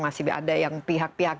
masih ada yang pihak pihak